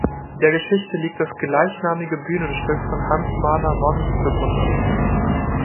Der Geschichte liegt das gleichnamige Bühnenstück von Hans Mahner Mons zugrunde.